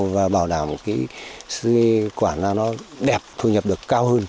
và bảo đảm cái quả là nó đẹp thu nhập được cao hơn